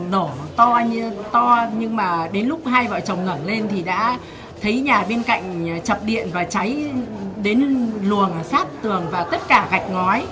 nổ to như to nhưng mà đến lúc hai vợ chồng ngẩn lên thì đã thấy nhà bên cạnh chập điện và cháy đến luồng sát tường và tất cả gạch ngói